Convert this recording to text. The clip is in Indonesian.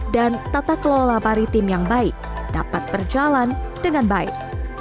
dan tata kelola paritim yang baik dapat berjalan dengan baik